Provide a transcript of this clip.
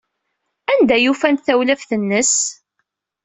Anda ay ufant tawlaft-nnes?